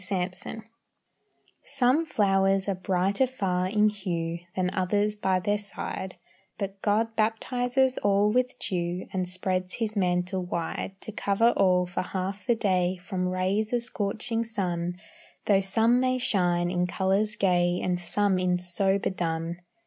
THE FLOWERS Some flowers are brighter far in hue Than others by their side, But God baptizes all with dew, And spreads His mantle wide To cover all for half the day, From rays of scorching sun, Though some may shine in colors gay, And some in sober dun.